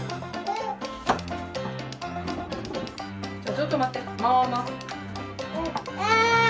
ちょっと待ってもも！